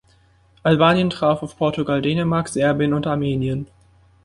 Albanien traf auf Portugal, Dänemark, Serbien und Armenien.